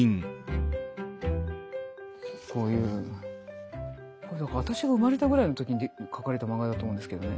こういう私が生まれたぐらいの時に描かれた漫画だと思うんですけどね。